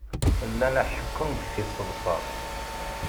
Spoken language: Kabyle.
Llan ḥekkun-d tiseḍsa.